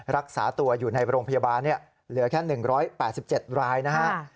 รักษาตัวอยู่ในโรงพยาบาลเหลือแค่๑๘๗รายนะครับ